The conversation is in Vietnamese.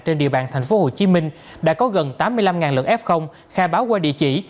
trên địa bàn tp hcm đã có gần tám mươi năm lượng f khai báo qua địa chỉ